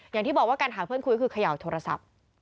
อย่างที่บอกว่าการหาเพื่อนคุยคือเขย่าโทรศัพท์